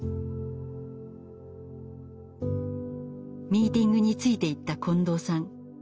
ミーティングについていった近藤さん。